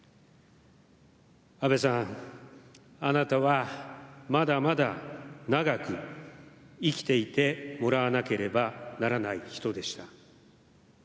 安倍さん、あなたはまだまだ長く生きていてもらわなければならない人でした。